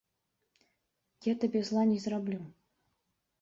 Я табе зла не зраблю.